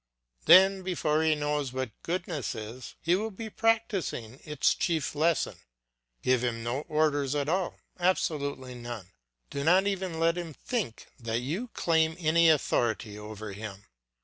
Then before he knows what goodness is, he will be practising its chief lesson. Give him no orders at all, absolutely none. Do not even let him think that you claim any authority over him.